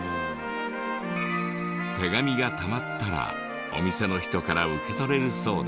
手紙がたまったらお店の人から受け取れるそうで。